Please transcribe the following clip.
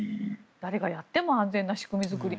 誰がやっても安全な仕組み作り。